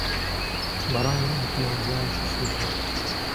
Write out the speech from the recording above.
بەڕای من ئەنفلەوەنزایەکی سووکه